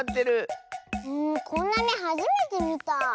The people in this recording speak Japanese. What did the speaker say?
こんなめはじめてみた。